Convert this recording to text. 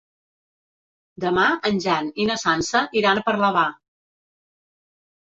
Demà en Jan i na Sança iran a Parlavà.